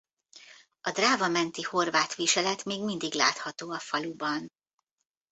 A Dráva-menti horvát viselet még mindig látható a faluban.